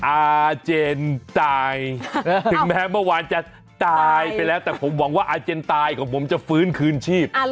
อาเจนตายถึงแม้เมื่อวานจะตายไปแล้วแต่ผมหวังว่าอาเจนตายของผมจะฟื้นคืนชีพ